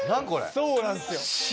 そうなんすよ。